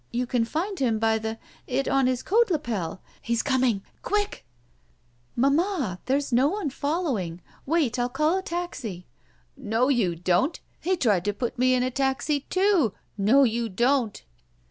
You can find him by the — it on his coat lapel. He's coming! Quick —" "Mamma, there's no one following. Wait, I'll call a taxi!" "No, you don't! He tried to put me m a taxi, too. No, you don't